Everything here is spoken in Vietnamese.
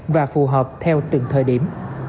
và phù hợp theo từng thời điểm